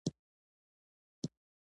زده کوونکي د معیارونو سره سم پرمختګ کاوه.